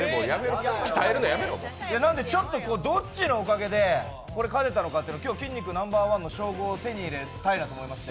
なので、どっちのおかげで勝てたのかというのを今日、筋肉ナンバーワンの称号を手に入れたいと思いまして。